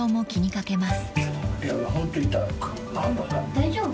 大丈夫？